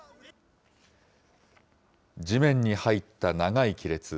地面に入った長い亀裂。